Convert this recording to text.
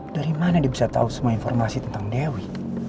dari mana dia bisa tahu semua informasi tentang dewi